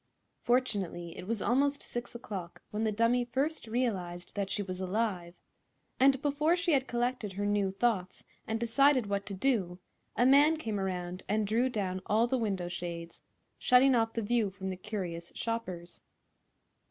Fortunately it was almost six o'clock when the dummy first realized that she was alive, and before she had collected her new thoughts and decided what to do a man came around and drew down all the window shades, shutting off the view from the curious shoppers.